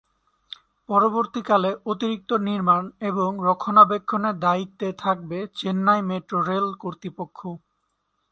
পরবর্তীকালে অতিরিক্ত নির্মাণ এবং রক্ষণাবেক্ষণের দায়িত্বে থাকবে চেন্নাই মেট্রো রেল কর্তৃপক্ষ।